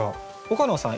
岡野さん